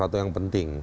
ada sesuatu yang penting